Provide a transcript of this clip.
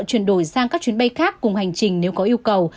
chuyển đổi sang các chuyến bay khác cùng hành trình nếu có yêu cầu